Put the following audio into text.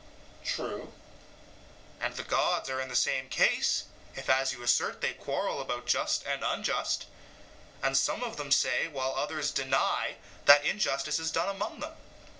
EUTHYPHRO: True. SOCRATES: And the gods are in the same case, if as you assert they quarrel about just and unjust, and some of them say while others deny that injustice is done among them.